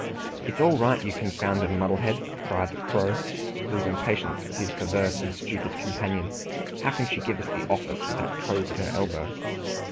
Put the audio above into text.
"It's all right, you confounded muddlehead!" cried the Crow, losing patience with his perverse and stupid companion. "How can she give us the office with that cove at her elbow?"